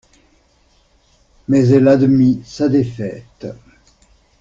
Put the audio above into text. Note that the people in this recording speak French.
Mais elle admit sa défaite.